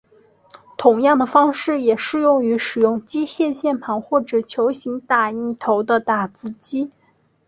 同样的方式也适用于使用机械键盘或者球形打印头的打字机。